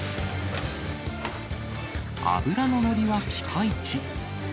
脂の乗りはピカイチ。